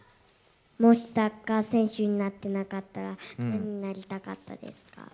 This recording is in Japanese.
もしサッカー選手になってなかったら、何になりたかったです